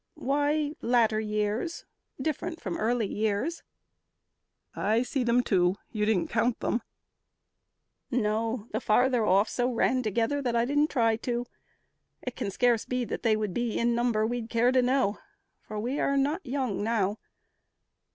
"Why, latter years Different from early years." "I see them, too. You didn't count them?" "No, the further off So ran together that I didn't try to. It can scarce be that they would be in number We'd care to know, for we are not young now.